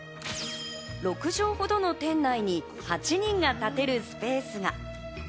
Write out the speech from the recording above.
６畳ほどの店内に８人が立てるスペースが。